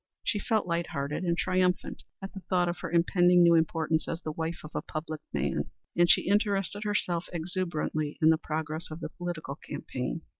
She felt light hearted and triumphant at the thought of her impending new importance as the wife of a public man, and she interested herself exuberantly in the progress of the political campaign.